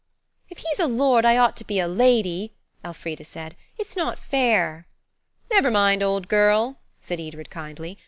"If he's lord I ought to be lady," Elfrida said. "It's not fair." "Never mind, old girl," said Edred kindly.